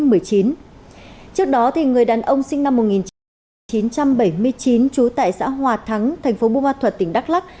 trước đó người đàn ông sinh năm một nghìn chín trăm bảy mươi chín trú tại xã hòa thắng thành phố bùa thuật tỉnh đắk lắc